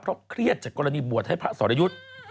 เพราะเครียดจากกรณีบวชให้พระสรยุทธ์